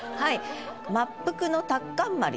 「末伏のタッカンマリ」